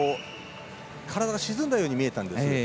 体が沈んだように見えたんです。